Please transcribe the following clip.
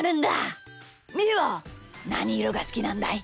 みーはなにいろがすきなんだい？